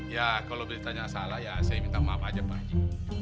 ya kalau beritanya salah ya saya minta maaf aja pak haji